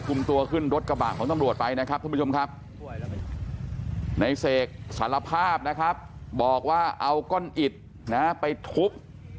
ตัวขึ้นรถกระบะของตำรวจไปนะครับท่านผู้ชมครับในเสกสารภาพนะครับบอกว่าเอาก้อนอิดนะไปทุบ